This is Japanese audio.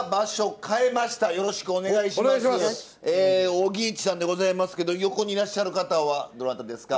扇一さんでございますけど横にいらっしゃる方はどなたですか？